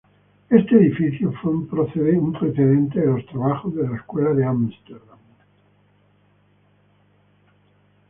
Este edificio fue un precedente de los trabajos de la Escuela de Ámsterdam.